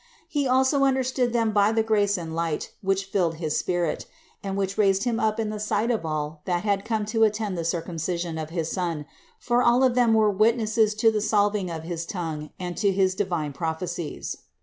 He also understood them by the grace and light, which rilled his spirit, and which raised him up in the sight of all that had come to attend the circumcision of his son ; for all of them were witnesses to the solving of his tongue and to his divine prophecies.